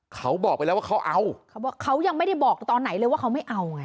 เขาบอกไปแล้วว่าเขาเอาเขาบอกเขายังไม่ได้บอกตอนไหนเลยว่าเขาไม่เอาไง